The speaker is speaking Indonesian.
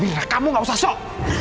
nah kamu gak usah sok